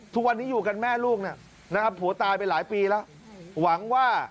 ทุกวันนี้อยู่กับแม่ลูกนะครับผัวตายไปหลายปีแล้ว